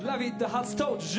初登場！